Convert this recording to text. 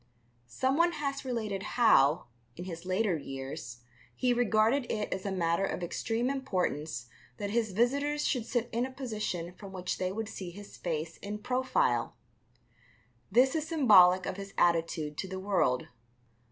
Someone has related how, in his later years, he regarded it as a matter of extreme importance that his visitors should sit in a position from which they would see his face in profile. This is symbolic of his attitude to the world.